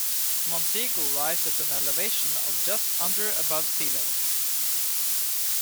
Monteagle lies at an elevation of just under above sea level.